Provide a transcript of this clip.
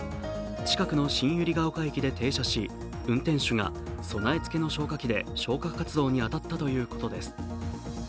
近くの新百合ヶ丘駅で停車し運転手が備え付けの消火器で消火活動に当たったということです。